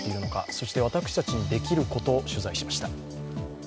そして、私たちにできること取材しました。